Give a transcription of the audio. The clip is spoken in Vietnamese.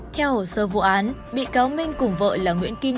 theo hồ sơ vụ án bị cáo minh cùng vợ là nguyễn kim